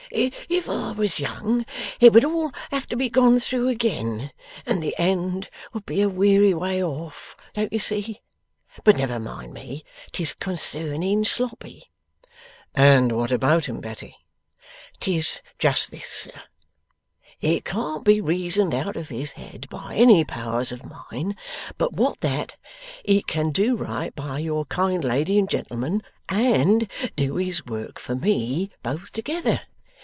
If I was young, it would all have to be gone through again, and the end would be a weary way off, don't you see? But never mind me; 'tis concerning Sloppy.' 'And what about him, Betty?' ''Tis just this, sir. It can't be reasoned out of his head by any powers of mine but what that he can do right by your kind lady and gentleman and do his work for me, both together.